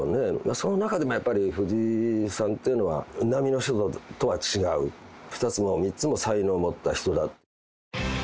その中でもやっぱり、藤井さんというのは並の人とは違う、２つも３つも才能持った人だ。